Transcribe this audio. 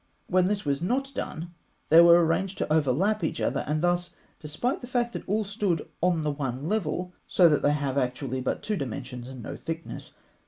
When this was not done, they were arranged to overlap each other, and this, despite the fact that all stood on the one level; so that they have actually but two dimensions and no thickness.